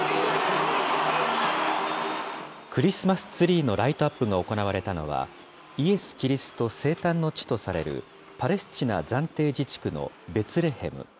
クリスマスツリーのライトアップが行われたのは、イエス・キリスト生誕の地とされる、パレスチナ暫定自治区のベツレヘム。